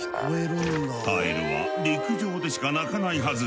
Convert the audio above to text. カエルは陸上でしか鳴かないはず。